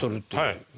はい。